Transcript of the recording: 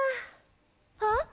あっ！